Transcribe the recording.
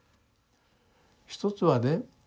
一つはね